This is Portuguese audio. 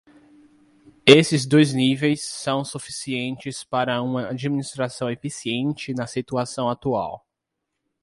Esses dois níveis são suficientes para uma administração eficiente na situação atual.